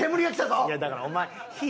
いやだからお前火。